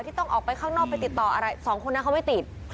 ต้องออกไปข้างนอกไปติดต่ออะไรสองคนนั้นเขาไม่ติด